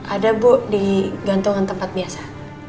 ada bu di gantungan tempat biasa